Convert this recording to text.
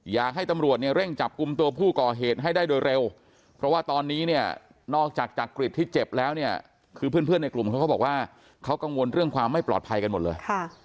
อยากให้ตำรวจเนี่ยเร่งจับกลุ่มตัวผู้ก่อเหตุให้ได้โดยเร็วเพราะว่าตอนนี้เนี่ยนอกจากจักริตที่เจ็บแล้วเนี่ยคือเพื่อนในกลุ่มเขาก็บอกว่าเขากังวลเรื่องความไม่ปลอดภัยกันหมดเลย